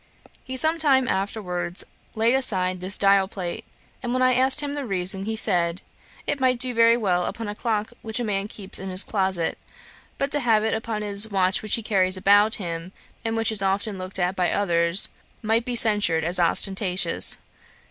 He sometime afterwards laid aside this dial plate; and when I asked him the reason, he said, 'It might do very well upon a clock which a man keeps in his closet; but to have it upon his watch which he carries about with him, and which is often looked at by others, might be censured as ostentatious.'